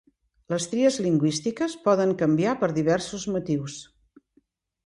Les tries lingüístiques poden canviar per diversos motius.